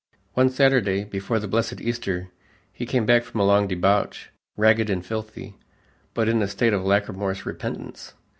One Saturday, before the "blessed Easter," he came back from a long debauch, ragged and filthy, but in a state of lachrymose repentance.